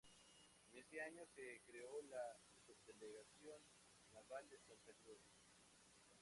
Ese año se creó la Subdelegación Naval de Santa Cruz.